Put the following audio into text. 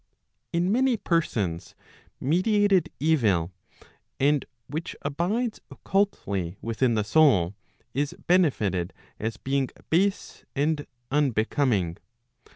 In many persons meditated evil, and which abides occultly within the sonl, is benefited as being base and unbecoming.